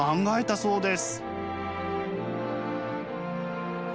そうです。